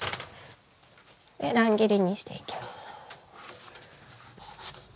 で乱切りにしていきます。